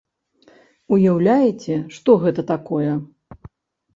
Уяўляеце, што гэта такое?